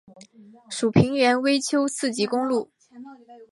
属平原微丘四级公路。